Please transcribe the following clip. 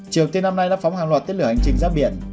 triều tiên năm nay đã phóng hàng loạt tên lửa hành trình ra biển